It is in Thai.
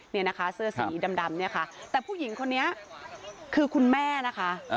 เนี่ยนะคะเสื้อสีดำเนี่ยค่ะแต่ผู้หญิงคนนี้คือคุณแม่นะคะ